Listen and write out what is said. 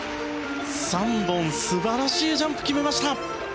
３本素晴らしいジャンプを決めました。